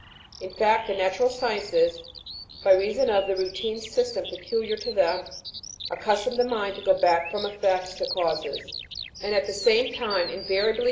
In fact, the natural sciences, by reason of the routine system peculiar to them, accustom the mind to go back from effects to causes, and at the same time invariably PREFACE.